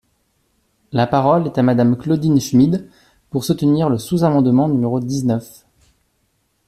La parole est à Madame Claudine Schmid, pour soutenir le sous-amendement numéro dix-neuf.